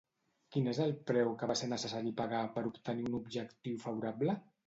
Quin és el preu que va ser necessari pagar per obtenir un objectiu favorable?